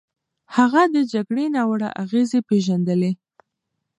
هغه د جګړې ناوړه اغېزې پېژندلې.